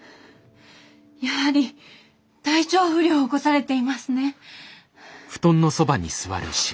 やはり体調不良を起こされていますね。